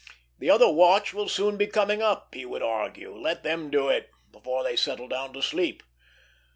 The other watch will soon be coming up, he would argue; let them do it, before they settle down to sleep.